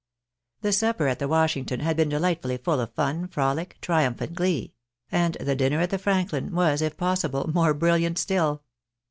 The supper at the Washington had been delightfully full of fun, frolic, triumph, and glee ; and the dinner at the FrankUn was, if possible, more brilUant still.